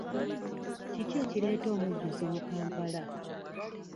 Kiki ekireeta omujjuzo mu Kampala?